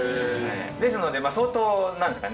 ですので相当なんですかね